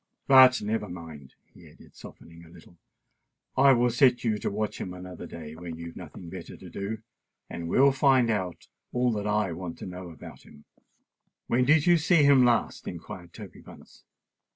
"But never mind," he added, softening a little: "I will set you to watch him another day when you've nothing better to do, and we will find out all I want to know about him." "When did you see him last?" inquired Toby Bunce.